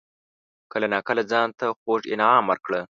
کله ناکله ځان ته خوږ انعام ورکړه.